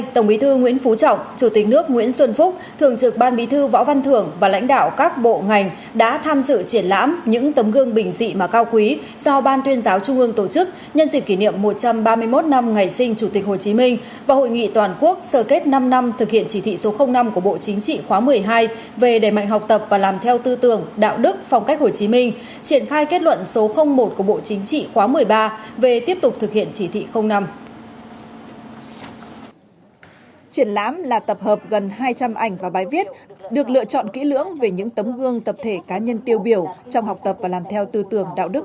tổng bí thư nguyễn phú trọng bày tỏ mong muốn việc học tập và làm theo tư tưởng đạo đức phong cách hồ chí minh sẽ tiếp tục được đẩy mạnh ngày càng đi vào chiều sâu ngày càng thiết thực và hiệu quả tích cử góp phần vào việc thực hiện thắng lợi nghị quyết đại hội một mươi ba của đảng và công cuộc đổi mới xây dựng và bảo vệ đất nước